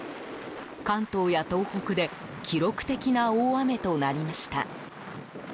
関東や東北で記録的な大雨となりました。